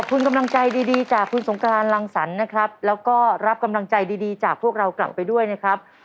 คุณกำลังใจดีจากคุณสงกรานรังสรรค์นะครับแล้วก็รับกำลังใจดีจากพวกเรากลับไปด้วยนะครับ